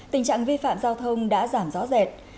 tình trạng vi phạm giao thông đã giảm rõ rệt